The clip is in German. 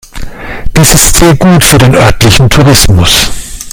Dies ist sehr gut für den örtlichen Tourismus.